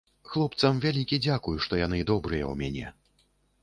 Хлопцам вялікі дзякуй, што яны добрыя ў мяне.